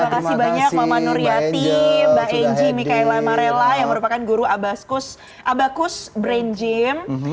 terima kasih banyak mama nur yati mbak engi mikaela marela yang merupakan guru abakus brain gym